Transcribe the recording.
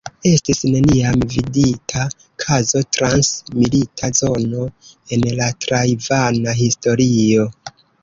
Estis neniam vidita kazo trans milita zono en la tajvana historio.